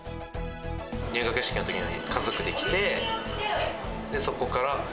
入学式のときに家族で来て、そこから。